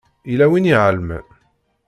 Yella win i iɛelmen.